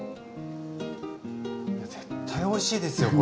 絶対おいしいですよこれ。